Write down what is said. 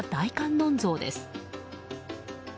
音像です。